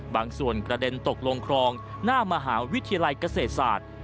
บางส่วนกระเด็นตกลงคลองหน้ามหาวิทยาลัยเกษตรศาสตร์